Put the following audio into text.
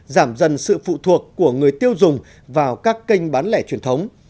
giảm dần sự phụ thuộc của người tiêu dùng vào các kênh bán lẻ truyền thống